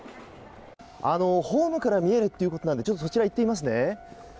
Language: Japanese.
ホームから見えるということなのでそちらに行ってみますね。